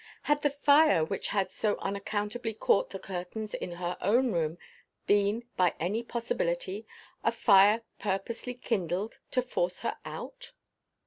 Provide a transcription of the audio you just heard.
Had the fire which had so unaccountably caught the curtains in her own room, been, by any possibility, a fire purposely kindled, to force her out?